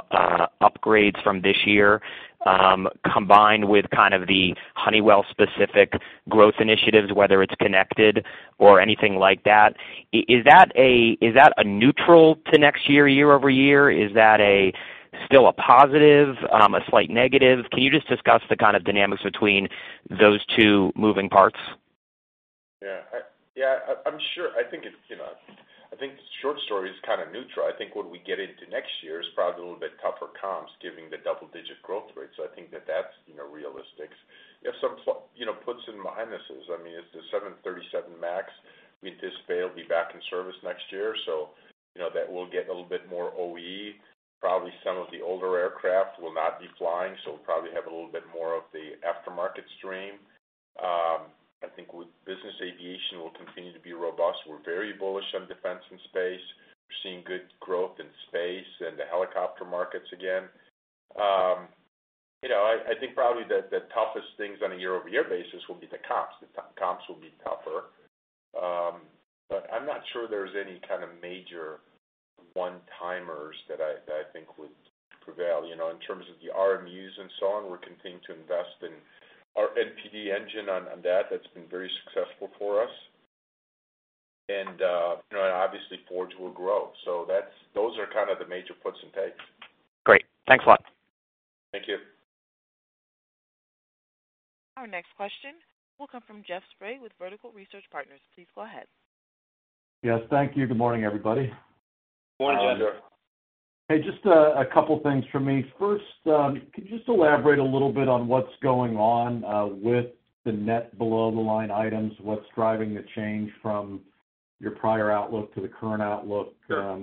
upgrades from this year, combined with kind of the Honeywell specific growth initiatives, whether it's connected or anything like that, is that a neutral to next year-over-year? Is that still a positive, a slight negative? Can you just discuss the kind of dynamics between those two moving parts? Yeah. I'm sure. I think the short story is kind of neutral. I think when we get into next year is probably a little bit tougher comps given the double-digit growth rates. I think that that's realistic. You have some puts and minuses. I mean, it's the 737 MAX. We anticipate it'll be back in service next year, so that will get a little bit more OE. Probably some of the older aircraft will not be flying, so we'll probably have a little bit more of the aftermarket stream. I think with Business Aviation will continue to be robust. We're very bullish on defense and space. We're seeing good growth in space and the helicopter markets again. I think probably the toughest things on a year-over-year basis will be the comps. The comps will be tougher. I'm not sure there's any kind of major one-timers that I think would prevail. In terms of the RMUs and so on, we're continuing to invest in our NPD engine on that. That's been very successful for us. Obviously Forge will grow. Those are kind of the major puts and takes. Great. Thanks a lot. Thank you. Our next question will come from Jeff Sprague with Vertical Research Partners. Please go ahead. Yes. Thank you. Good morning, everybody. Good morning, Jeff. Hey, just a couple of things from me. First, could you just elaborate a little bit on what's going on with the net below-the-line items? What's driving the change from your prior outlook to the current outlook? Sure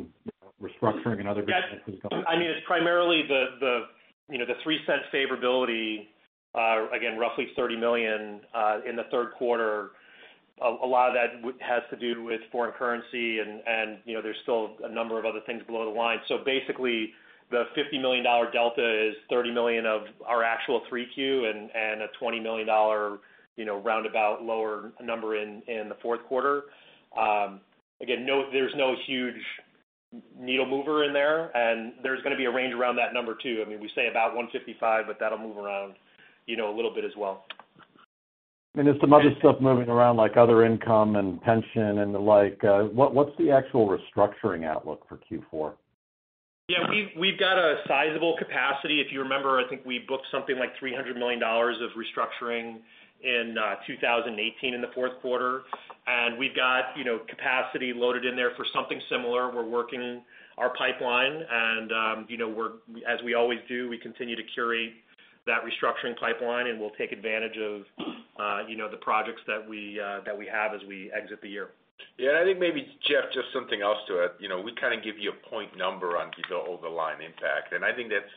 restructuring and other businesses? I mean, it's primarily the $0.03 favorability, again, roughly $30 million in the third quarter. A lot of that has to do with foreign currency and there's still a number of other things below the line. Basically, the $50 million delta is $30 million of our actual three Q and a $20 million roundabout lower number in the fourth quarter. Again, there's no huge needle mover in there, and there's going to be a range around that number too. I mean, we say about $155, but that'll move around a little bit as well. There's some other stuff moving around, like other income and pension and the like. What's the actual restructuring outlook for Q4? Yeah, we've got a sizable capacity. If you remember, I think we booked something like $300 million of restructuring in 2018 in the fourth quarter. We've got capacity loaded in there for something similar. We're working our pipeline and as we always do, we continue to curate that restructuring pipeline, and we'll take advantage of the projects that we have as we exit the year. Yeah, I think maybe, Jeff, just something else to it. We kind of give you a point number on the below-the-line impact, and I think that's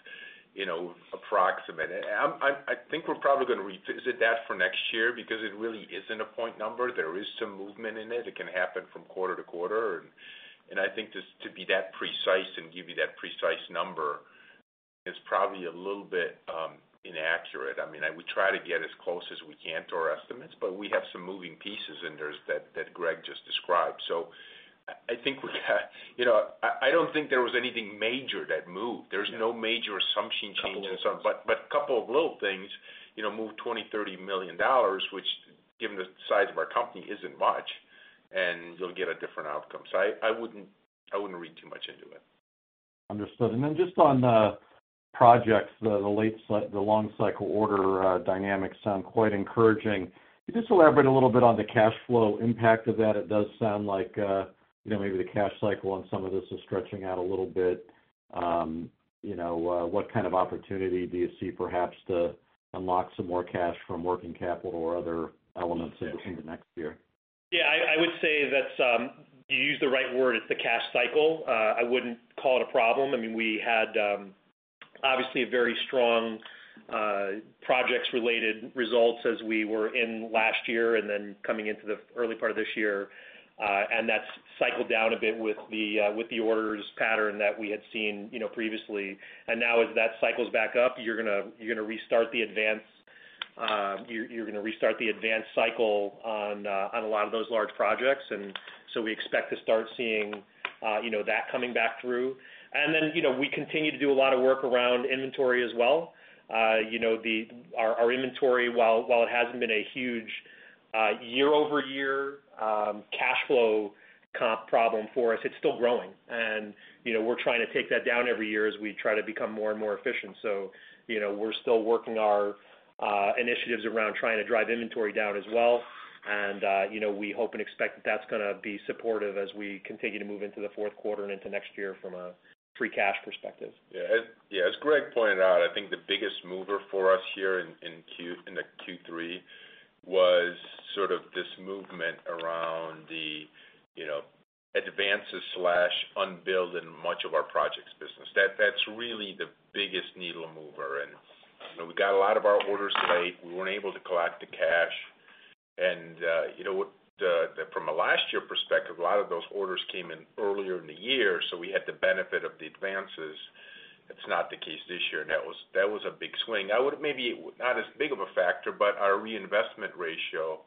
approximate. I think we're probably going to revisit that for next year because it really isn't a point number. There is some movement in it. It can happen from quarter to quarter. I think to be that precise and give you that precise number is probably a little bit inaccurate. I mean, we try to get as close as we can to our estimates, but we have some moving pieces in there that Greg just described. I don't think there was anything major that moved. There's no major assumption changes. Couple of little things. A couple of little things moved $20, $30 million, which given the size of our company isn't much, and you'll get a different outcome. I wouldn't read too much into it. Understood. Just on the projects, the long cycle order dynamics sound quite encouraging. Could you just elaborate a little bit on the cash flow impact of that? It does sound like maybe the cash cycle on some of this is stretching out a little bit. What kind of opportunity do you see perhaps to unlock some more cash from working capital or other elements into next year? Yeah, I would say you used the right word, it's the cash cycle. I wouldn't call it a problem. I mean, we had obviously very strong projects related results as we were in last year and then coming into the early part of this year. That's cycled down a bit with the orders pattern that we had seen previously. Now as that cycles back up, you're going to restart the advance cycle on a lot of those large projects, and so we expect to start seeing that coming back through. We continue to do a lot of work around inventory as well. Our inventory, while it hasn't been a huge year-over-year cash flow comp problem for us, it's still growing. We're trying to take that down every year as we try to become more and more efficient. We're still working our initiatives around trying to drive inventory down as well, and we hope and expect that's going to be supportive as we continue to move into the fourth quarter and into next year from a free cash perspective. As Greg pointed out, I think the biggest mover for us here in the Q3 was sort of this movement around the advances/unbilled in much of our projects business. That's really the biggest needle mover. We got a lot of our orders late. We weren't able to collect the cash. From a last year perspective, a lot of those orders came in earlier in the year, so we had the benefit of the advances. It's not the case this year, and that was a big swing. Maybe not as big of a factor, but our reinvestment ratio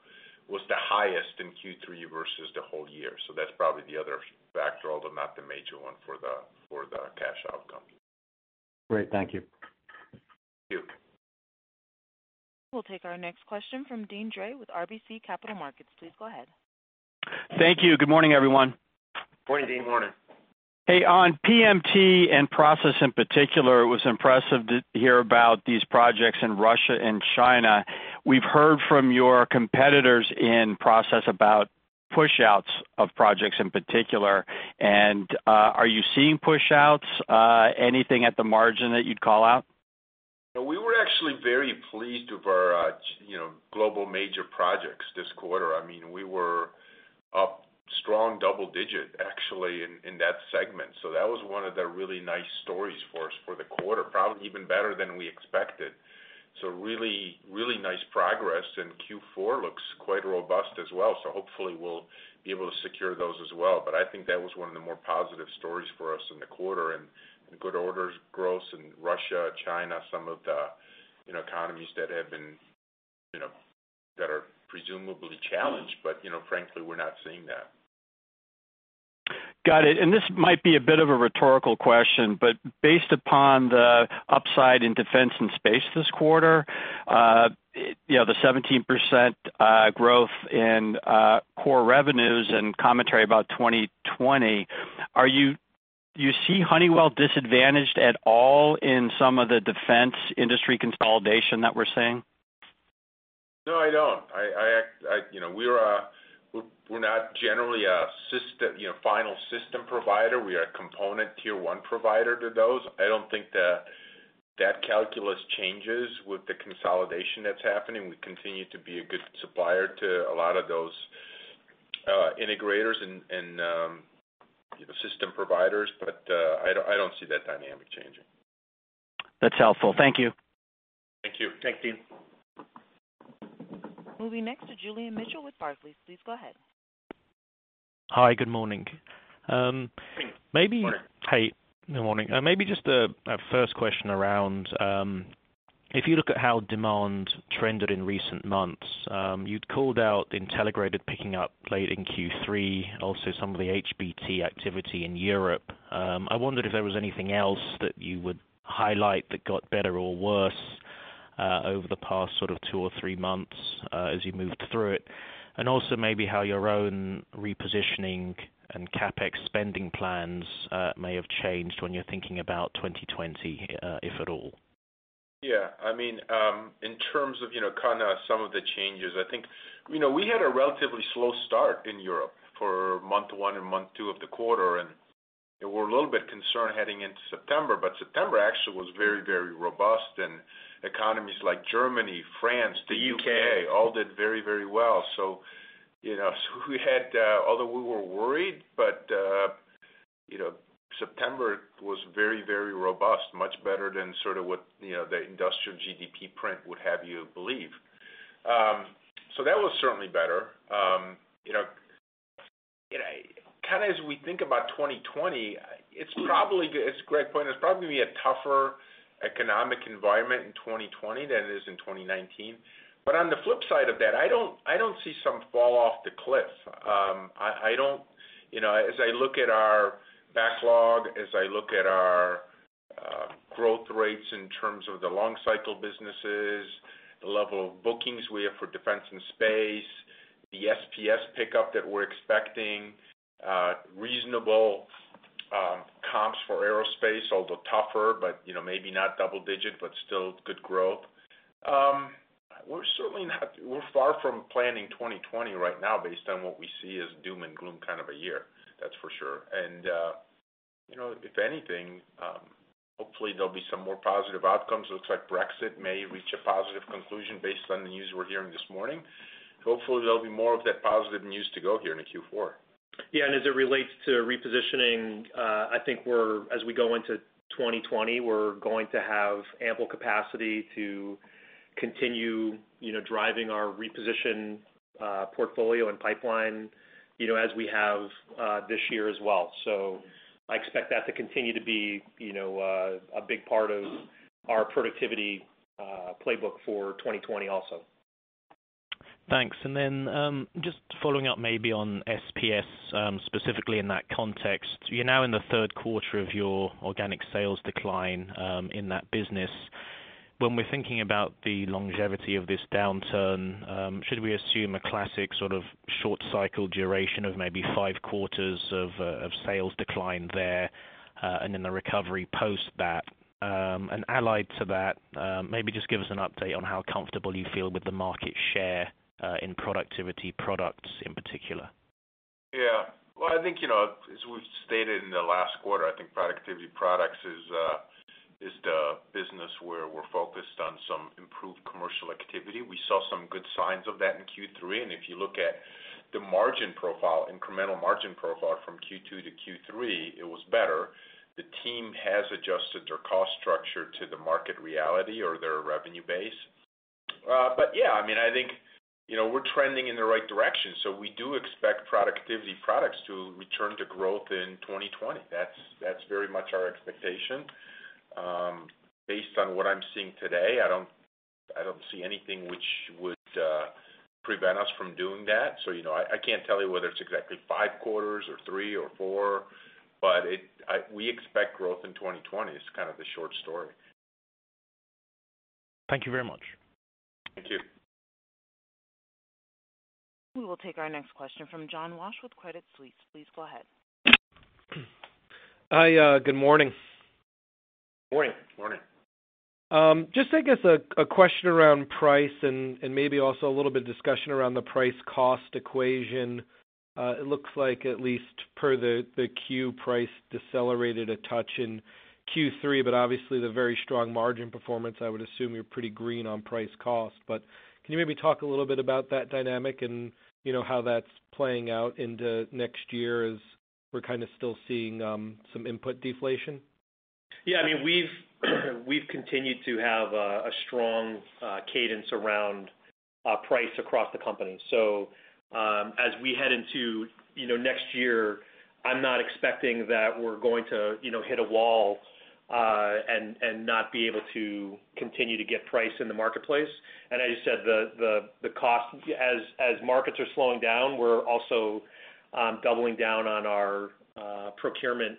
was the highest in Q3 versus the whole year. That's probably the other factor, although not the major one for the cash outcome. Great. Thank you. Thank you. We'll take our next question from Deane Dray with RBC Capital Markets. Please go ahead. Thank you. Good morning, everyone. Morning, Deane. Morning. Hey, on PMT and process in particular, it was impressive to hear about these projects in Russia and China. We've heard from your competitors in process about pushouts of projects in particular. Are you seeing pushouts, anything at the margin that you'd call out? We were actually very pleased with our global major projects this quarter. We were up strong double digit, actually, in that segment. That was one of the really nice stories for us for the quarter, probably even better than we expected. Really nice progress, and Q4 looks quite robust as well. Hopefully we'll be able to secure those as well. I think that was one of the more positive stories for us in the quarter and good orders growth in Russia, China, some of the economies that are presumably challenged. Frankly, we're not seeing that. Got it. This might be a bit of a rhetorical question, but based upon the upside in defense and space this quarter, the 17% growth in core revenues and commentary about 2020, do you see Honeywell disadvantaged at all in some of the defense industry consolidation that we're seeing? No, I don't. We're not generally a final system provider. We are a component tier 1 provider to those. I don't think that calculus changes with the consolidation that's happening. We continue to be a good supplier to a lot of those integrators and system providers, but I don't see that dynamic changing. That's helpful. Thank you. Thank you. Thanks, Deane. Moving next to Julian Mitchell with Barclays. Please go ahead. Hi. Good morning. Morning. Hey, good morning. Maybe just a first question around, if you look at how demand trended in recent months, you'd called out the Intelligrated picking up late in Q3, also some of the HBT activity in Europe. I wondered if there was anything else that you would highlight that got better or worse over the past sort of two or three months as you moved through it, and also maybe how your own repositioning and CapEx spending plans may have changed when you're thinking about 2020, if at all. Yeah. In terms of some of the changes, I think we had a relatively slow start in Europe for month one and month two of the quarter, and we were a little bit concerned heading into September. September actually was very robust in economies like Germany, France, the U.K. The U.K. all did very well. Although we were worried, but September was very robust, much better than sort of what the industrial GDP print would have you believe. That was certainly better. As we think about 2020, it's a great point. It's probably going to be a tougher economic environment in 2020 than it is in 2019. On the flip side of that, I don't see some fall off the cliff. As I look at our backlog, as I look at our growth rates in terms of the long cycle businesses, the level of bookings we have for defense and space, the SPS pickup that we're expecting, reasonable comps for aerospace, although tougher, but maybe not double-digit, but still good growth. We're far from planning 2020 right now based on what we see as doom and gloom kind of a year. That's for sure. If anything, hopefully there'll be some more positive outcomes. It looks like Brexit may reach a positive conclusion based on the news we're hearing this morning. Hopefully there'll be more of that positive news to go here into Q4. Yeah, as it relates to repositioning, I think as we go into 2020, we're going to have ample capacity to continue driving our reposition portfolio and pipeline as we have this year as well. I expect that to continue to be a big part of our productivity playbook for 2020 also. Thanks. Just following up maybe on SPS, specifically in that context, you're now in the third quarter of your organic sales decline in that business. When we're thinking about the longevity of this downturn, should we assume a classic sort of short cycle duration of maybe 5 quarters of sales decline there, and then the recovery post that? Allied to that, maybe just give us an update on how comfortable you feel with the market share in Productivity Products in particular. Yeah. Well, I think, as we've stated in the last quarter, I think Productivity Products is the business where we're focused on some improved commercial activity. We saw some good signs of that in Q3, and if you look at the margin profile, incremental margin profile from Q2 to Q3, it was better. The team has adjusted their cost structure to the market reality or their revenue base. Yeah, I think we're trending in the right direction, so we do expect Productivity Products to return to growth in 2020. That's very much our expectation. Based on what I'm seeing today, I don't see anything which would prevent us from doing that. I can't tell you whether it's exactly five quarters or three or four, but we expect growth in 2020 is kind of the short story. Thank you very much. Thank you. We will take our next question from John Walsh with Credit Suisse. Please go ahead. Hi, good morning. Morning. Morning. Just I guess a question around price and maybe also a little bit of discussion around the price cost equation. It looks like at least per the Q price decelerated a touch in Q3, but obviously the very strong margin performance, I would assume you're pretty green on price cost. Can you maybe talk a little bit about that dynamic and how that's playing out into next year as we're kind of still seeing some input deflation? Yeah. We've continued to have a strong cadence around price across the company. As we head into next year, I'm not expecting that we're going to hit a wall and not be able to continue to get price in the marketplace. As you said, the cost, as markets are slowing down, we're also doubling down on our procurement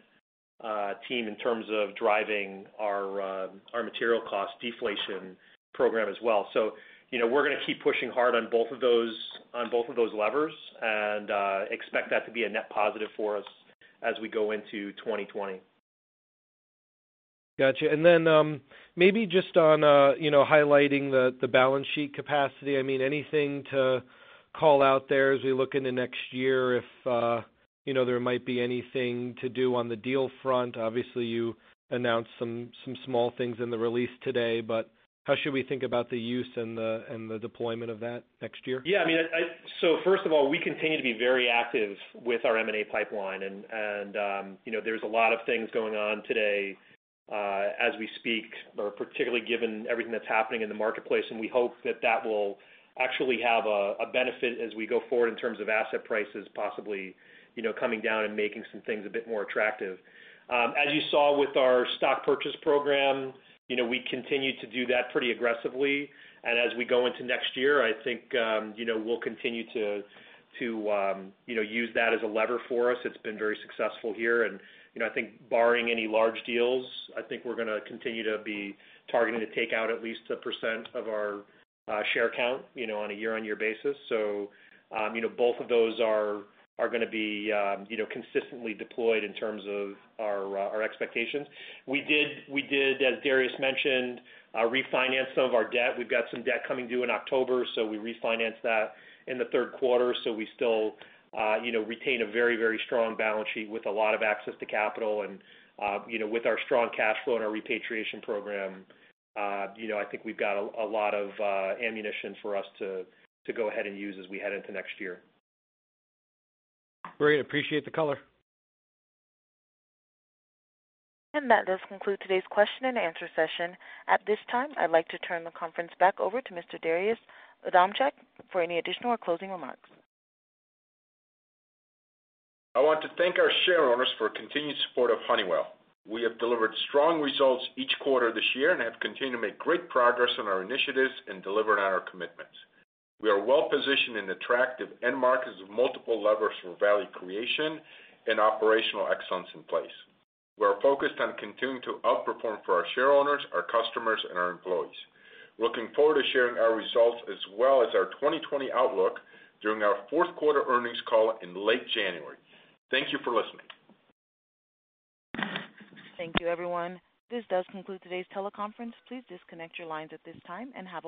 team in terms of driving our material cost deflation program as well. We're going to keep pushing hard on both of those levers and expect that to be a net positive for us as we go into 2020. Got you. Maybe just on highlighting the balance sheet capacity, anything to call out there as we look into next year if there might be anything to do on the deal front. Obviously, you announced some small things in the release today, but how should we think about the use and the deployment of that next year? First of all, we continue to be very active with our M&A pipeline. There's a lot of things going on today as we speak, particularly given everything that's happening in the marketplace. We hope that that will actually have a benefit as we go forward in terms of asset prices possibly coming down and making some things a bit more attractive. As you saw with our stock purchase program, we continue to do that pretty aggressively. As we go into next year, I think we'll continue to use that as a lever for us. It's been very successful here. I think barring any large deals, I think we're going to continue to be targeting to take out at least a percent of our share count on a year-on-year basis. Both of those are going to be consistently deployed in terms of our expectations. We did, as Darius mentioned, refinance some of our debt. We've got some debt coming due in October, so we refinanced that in the third quarter, so we still retain a very, very strong balance sheet with a lot of access to capital and with our strong cash flow and our repatriation program, I think we've got a lot of ammunition for us to go ahead and use as we head into next year. Great. Appreciate the color. That does conclude today's question and answer session. At this time, I'd like to turn the conference back over to Mr. Darius Adamczyk for any additional or closing remarks. I want to thank our shareowners for continued support of Honeywell. We have delivered strong results each quarter this year and have continued to make great progress on our initiatives and delivering on our commitments. We are well positioned in attractive end markets with multiple levers for value creation and operational excellence in place. We are focused on continuing to outperform for our shareowners, our customers and our employees. Looking forward to sharing our results as well as our 2020 outlook during our fourth quarter earnings call in late January. Thank you for listening. Thank you, everyone. This does conclude today's teleconference. Please disconnect your lines at this time and have a wonderful day.